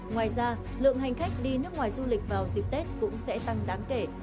ngoài ra lượng hành khách đi nước ngoài du lịch vào dịp tết cũng sẽ tăng đáng kể